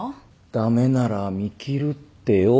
駄目なら見切るってよ。